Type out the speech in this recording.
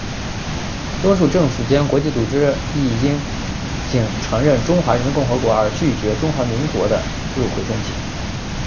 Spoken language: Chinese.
多数政府间国际组织亦因仅承认中华人民共和国而拒绝中华民国的入会申请。